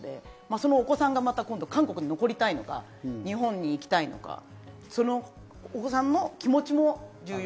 そのお子さんがまた韓国に残りたいのか日本に行きたいのかそのお子さんの気持ちも重要。